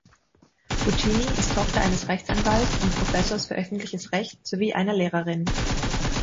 Puccini ist Tochter eines Rechtsanwalts und Professors für Öffentliches Recht sowie einer Lehrerin.